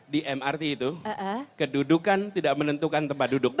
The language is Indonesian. di mrt itu kedudukan tidak menentukan tempat duduk